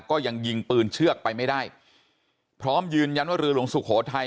ก็ยังยิงปืนเชือกไปไม่ได้พร้อมยืนยันว่าเรือหลวงสุโขทัย